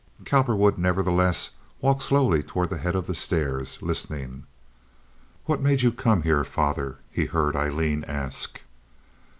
Cowperwood nevertheless walked slowly toward the head of the stairs, listening. "What made you come here, father?" he heard Aileen ask.